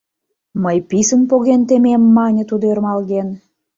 — Мый писын поген темем, — мане тудо, ӧрмалген.